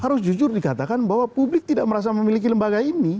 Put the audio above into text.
harus jujur dikatakan bahwa publik tidak merasa memiliki lembaga ini